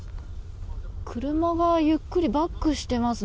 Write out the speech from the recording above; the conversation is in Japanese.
車がゆっくりバックしてますね。